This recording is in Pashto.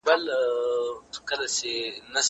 کېدای شي زه منډه ووهم!؟